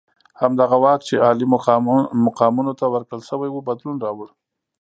همدغه واک چې عالي مقامانو ته ورکړل شوی وو بدلون راوړ.